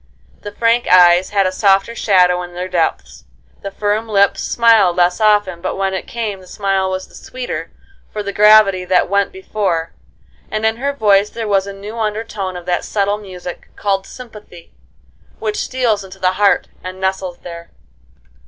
The frank eyes had a softer shadow in their depths, the firm lips smiled less often, but when it came the smile was the sweeter for the gravity that went before, and in her voice there was a new undertone of that subtle music, called sympathy, which steals into the heart and nestles there.